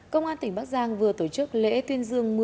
công an tỉnh bắc giang vừa tổ chức lễ tuyên dương